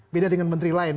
beda dengan menteri lain